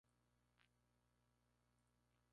Es hermana del conocido violonchelista Guillermo Pastrana.